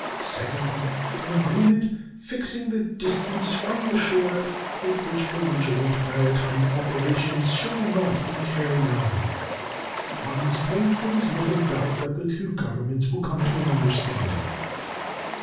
Second. An agreement fixing the distance from the shore within which belligerent maritime operations shall not be carried on. On these points there is little doubt that the two Governments will come to an understanding.